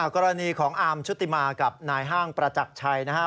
กรณีของอาร์มชุติมากับนายห้างประจักรชัยนะฮะ